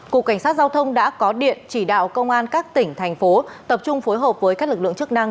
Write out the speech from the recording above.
cục cảnh sát giao thông đã có điện chỉ đạo công an các tỉnh thành phố tập trung phối hợp với các lực lượng chức năng